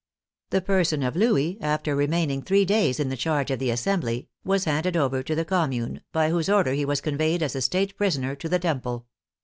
The person of Louis, after remaining three days in charge of the Assembly, was handed over to the Com mune, by whose order he was conveyed as a State pris oner to the Temple.